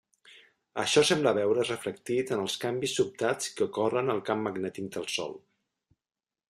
Això sembla veure's reflectit en els canvis sobtats que ocorren al camp magnètic del Sol.